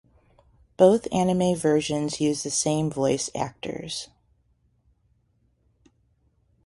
Both anime versions use the same voice actors.